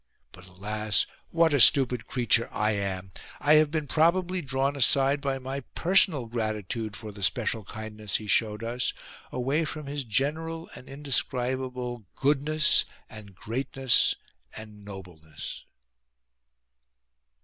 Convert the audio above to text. But alas, what a stupid creature I am ! I have been probably drawn aside by my personal gratitude for the special kindness he showed us, away from his general and indescribable goodness and greatness and nobleness.)